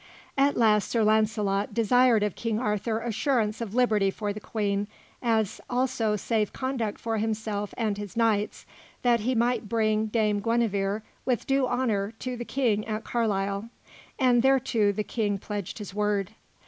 At last Sir Launcelot desired of King Arthur assurance of liberty for the Queen, as also safe conduct for himself and his knights, that he might bring Dame Guenevere, with due honour, to the King at Carlisle; and thereto the King pledged his word.